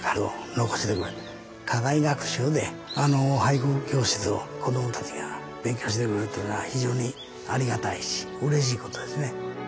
課外学習で俳句教室を子どもたちが勉強してくれるっていうのは非常にありがたいしうれしいことですね。